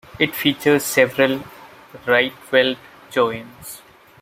It features several Rietveld joints.